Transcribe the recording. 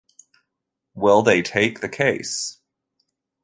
Will they take the case?